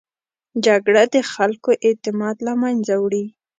جګړه د خلکو اعتماد له منځه وړي